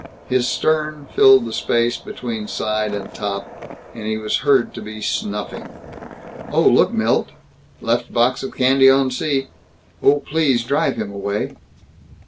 His stern filled the space between side and top, and he was to be heard snuffing. "Oh! Look! Milt! Left box of candy on seat Oh, please drive him away!"